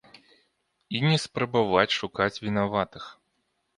І не спрабаваць шукаць вінаватых.